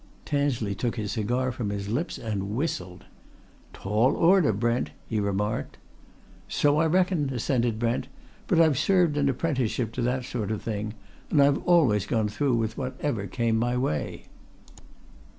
Tansley took his cigar from his lips and whistled. "Tall order, Brent!" he remarked. "So I reckon," assented Brent. "But I've served an apprenticeship to that sort of thing. And I've always gone through with whatever came in my way."